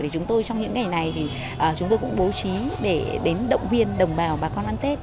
chúng tôi trong những ngày này thì chúng tôi cũng bố trí để đến động viên đồng bào bà con ăn tết